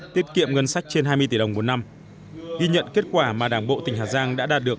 tiết kiệm ngân sách trên hai mươi tỷ đồng một năm ghi nhận kết quả mà đảng bộ tỉnh hà giang đã đạt được